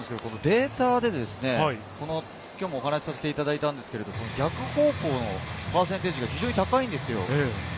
データできょうもお話させていただいたんですけれど、逆方向のパーセンテージが非常に高いんですよ。